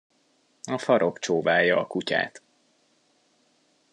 A farok csóválja a kutyát.